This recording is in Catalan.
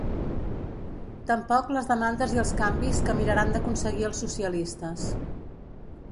Tampoc les demandes i els canvis que miraran d’aconseguir els socialistes.